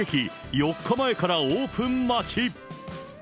４日前からオープン待ち。